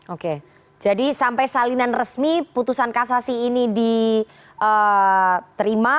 oke jadi sampai salinan resmi putusan kasasi ini diterima